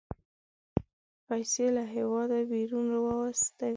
پيسې له هېواده بيرون واستوي.